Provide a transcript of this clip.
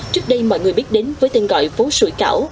trước đây mọi người biết đến với tên gọi phố sủi cảo